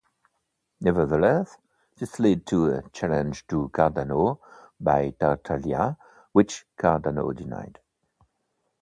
Nevertheless, this led to a challenge to Cardano by Tartaglia, which Cardano denied.